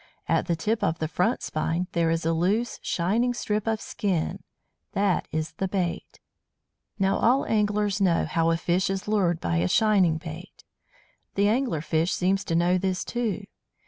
At the tip of the front spine there is a loose, shining strip of skin that is the bait. Now, all anglers know how a fish is lured by a shining bait. The Angler fish seems to know this too.